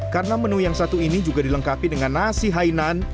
karena menu yang satu ini juga dilengkapi dengan nasi hainan